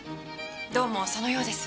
どうもそのようです。